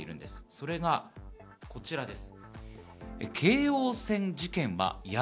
それがこちらです。